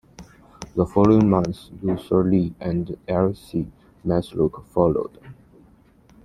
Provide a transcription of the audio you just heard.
The following month Luther Lee and L. C. Matlock followed.